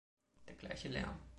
Der gleiche Lärm.